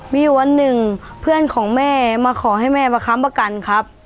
มีอยู่วันหนึ่งเพื่อนของแม่มาขอให้แม่มาค้ำประกันครับ